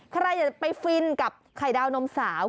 ใครอยากจะไปฟินกับไข่ดาวนมสาว